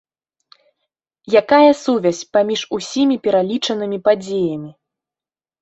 Якая сувязь паміж усімі пералічанымі падзеямі?